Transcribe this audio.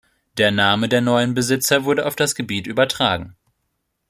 Der Name der neuen Besitzer wurde auf das Gebiet übertragen.